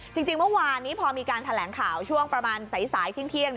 จริงเมื่อวานนี้พอมีการแถลงข่าวช่วงประมาณสายเที่ยง